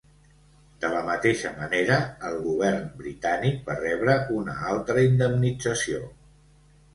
De la mateixa manera, el govern britànic va rebre una altra indemnització.